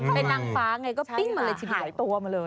เป็นนางฟ้าไงก็ปิ้งมาเลยหายตัวมาเลย